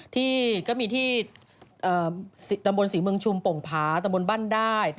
ที่ก็มีที่ตำบลศรีเมืองชุมโป่งผาตำบลบ้านได้